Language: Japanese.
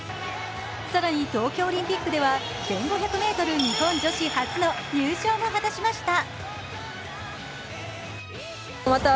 更に東京オリンピックでは１５００ｍ日本女子初の入賞も果たしました。